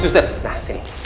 suster nah sini